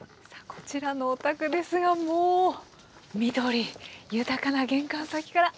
こちらのお宅ですがもう緑豊かな玄関先から。